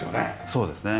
そうですね。